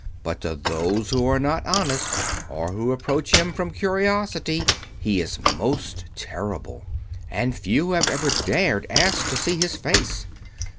But to those who are not honest, or who approach him from curiosity, he is most terrible, and few have ever dared ask to see his face.